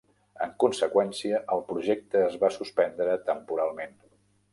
En conseqüència, el projecte es va suspendre temporalment.